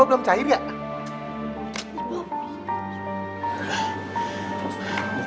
aduh ya roman kesian banget